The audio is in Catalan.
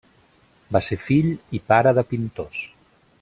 Va ser fill i pare de pintors.